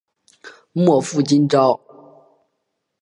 莫负今朝！